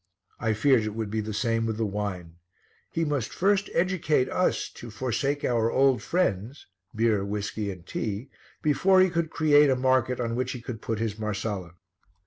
I feared it would be the same with the wine. He must first educate us to forsake our old friends, beer, whisky and tea, before he could create a market on which he could put his Marsala.